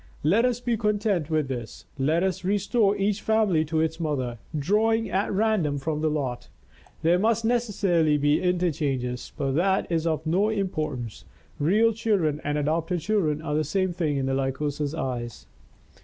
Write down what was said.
Let us be content with this. Let us restore each family to its mother, drawing at random from the lot. There must necessarily be interchanges, but that is of no importance, real children and adopted children are the same thing in the Lycosa's eyes.